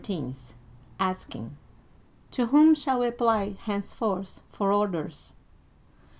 asking, "To whom shall we apply, henceforth, for orders